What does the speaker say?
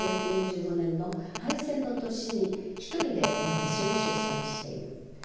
１９４５年の敗戦の年に一人で私を出産している。